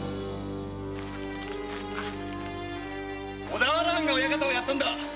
小田原藩が親方をやったんだ。